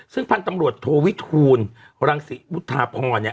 ซึ่งพันธุ์ตำรวจโทวิทูลรังศิวุฒาพรเนี่ย